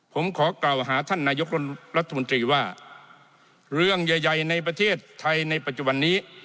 ผมขอกล่าวหาท่านนายกรัฐมนตรีว่าเรื่องใหญ่ใหญ่ในประเทศไทยในปัจจุบันนี้